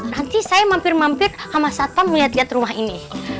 nanti saya mampir mampir sama satpam melihat lihat rumah ini